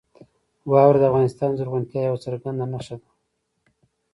واوره د افغانستان د زرغونتیا یوه څرګنده نښه ده.